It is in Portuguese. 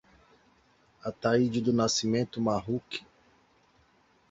Ataide do Nascimento Marruch